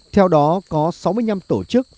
theo đó có sáu mươi năm tổ chức